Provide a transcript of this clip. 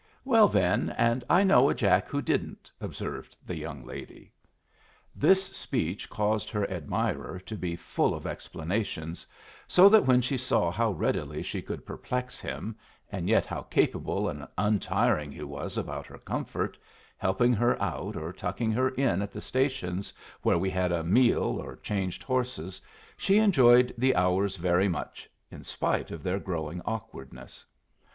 "Well, then, and I know a Jack who didn't," observed the young lady. This speech caused her admirer to be full of explanations; so that when she saw how readily she could perplex him, and yet how capable and untiring he was about her comfort, helping her out or tucking her in at the stations where we had a meal or changed horses, she enjoyed the hours very much, in spite of their growing awkwardness.